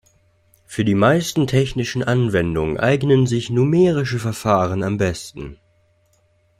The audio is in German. Für die meisten technischen Anwendungen eignen sich numerische Verfahren am besten.